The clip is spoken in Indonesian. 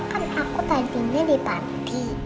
kan aku tadinya dipanti